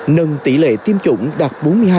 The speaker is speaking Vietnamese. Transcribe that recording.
nâng tỷ lệ tiêm chủng đạt bốn mươi hai